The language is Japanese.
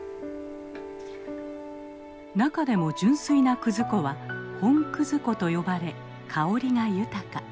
中でも純粋な葛粉は本葛粉と呼ばれ香りが豊か。